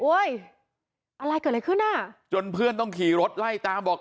อะไรเกิดอะไรขึ้นอ่ะจนเพื่อนต้องขี่รถไล่ตามบอก